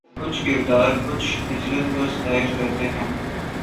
کچھ کردار کچھ عجلت کو ظاہر کرتے ہیں